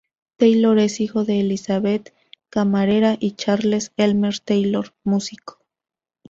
Taylor es hijo de Elizabeth, camarera y Charles Elmer Taylor, músico.